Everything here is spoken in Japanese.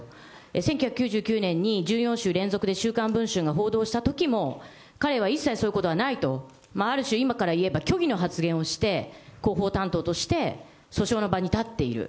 １９９９年に１４週連続で週刊文春が報道したときも、彼は一切そういうことはないと、ある種、今から言えば虚偽の発言をして、広報担当として、訴訟の場に立っている。